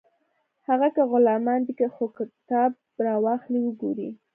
هغه که غلامان دي خو کتاب راواخلئ وګورئ